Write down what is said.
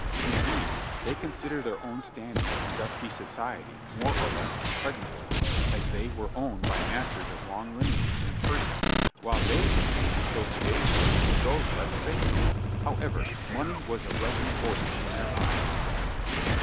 Indeed, they consider their own standing in dusky society more or less impregnable, as they were owned by masters of long lineage and purses, while they refused association with those less favored. However, money was of less importance in their eyes than fam ily.